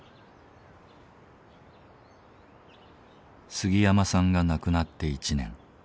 杉山さんが亡くなって１年。